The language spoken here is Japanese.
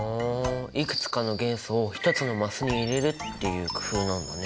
いくつかの元素を一つのマスに入れるっていう工夫なんだね。